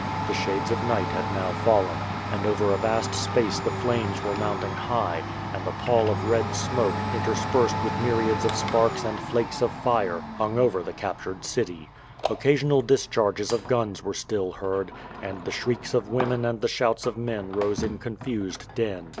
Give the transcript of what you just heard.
The shades of night had now fallen, and over a vast space the flames were mounting high, and a pall of red smoke, interspersed with myriads of sparks and flakes of fire, hung over the captured city. Occasional discharges of guns were still heard, and the shrieks of women and the shouts of men rose in confused din.